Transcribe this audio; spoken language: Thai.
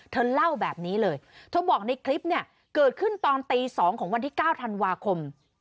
เธอเล่าแบบนี้เลยเธอบอกในคลิปเนี่ยเกิดขึ้นตอนตี๒ของวันที่๙ธันวาคม